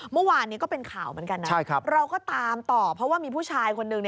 เมื่อวานนี้ก็เป็นข่าวเหมือนกันนะเราก็ตามต่อเพราะว่ามีผู้ชายคนหนึ่ง